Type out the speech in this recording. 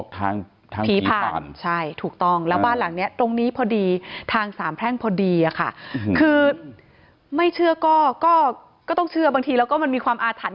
ก็ต้องเชื่อบางทีแล้วก็มันมีความอาถรรพ์